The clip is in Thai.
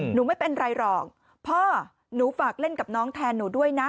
หนูไม่เป็นไรหรอกพ่อหนูฝากเล่นกับน้องแทนหนูด้วยนะ